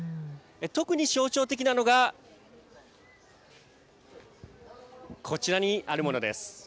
特に象徴的なのがこちらにあるものです。